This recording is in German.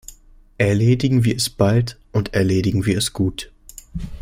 Erledigen wir es bald, und erledigen wir es gut!